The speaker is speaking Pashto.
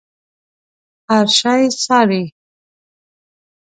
هر شی څاري.